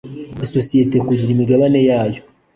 isosiyete kugira imigabane yayo